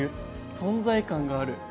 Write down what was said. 存在感がある。